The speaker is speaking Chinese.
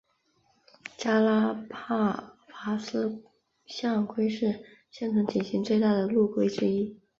加拉帕戈斯象龟是现存体型最大的陆龟之一。